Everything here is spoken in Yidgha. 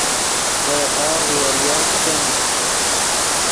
ڤئے ہورغ یریو چے کن